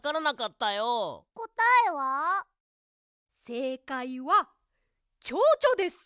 せいかいはチョウチョです！